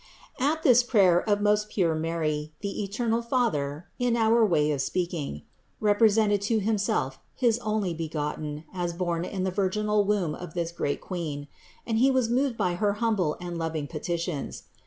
54. At this prayer of most pure Mary, the eternal Father (in our way of speaking) represented to Himself his Onlybegotten as borne in the virginal womb of this great Queen; and He was moved by her humble and loving petitions.